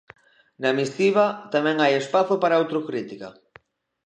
Na misiva tamén hai espazo para a autocrítica.